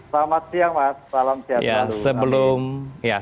selamat siang mas selam sehat